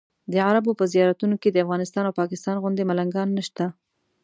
د عربو په زیارتونو کې د افغانستان او پاکستان غوندې ملنګان نشته.